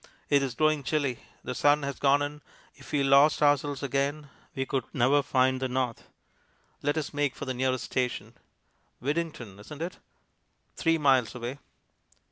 It is growing chilly; the sun has gone in; if we lost ourselves again, we could never find the north. Let us make for the nearest station. Widdington, isn't it? Three miles away....